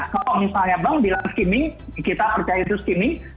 kalau misalnya bank bilang skimming kita percaya itu skimming